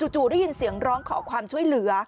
จู่ได้ยินเสียงร้องขอความช่วยเหลือ